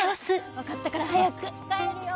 分かったから早く帰るよ。